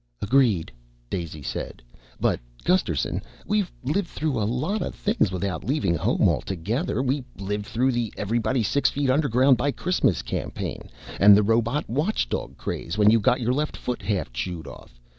"Agreed," Daisy said. "But, Gusterson, we've lived through a lot of things without leaving home altogether. We lived through the Everybody Six Feet Underground by Christmas campaign and the Robot Watchdog craze, when you got your left foot half chewed off.